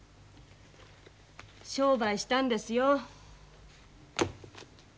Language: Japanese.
商売したんですよ。